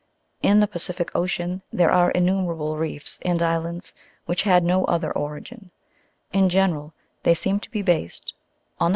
In the Pacific Ocean there are innumerable reefs and islands which had no other origin; in general they seem to be based on the crater 1 7.